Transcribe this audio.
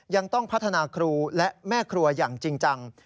ยังต้องพัฒนาครูและแม่ครัวอย่างจริงจัง